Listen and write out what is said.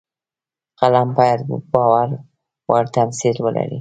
فلم باید باور وړ تمثیل ولري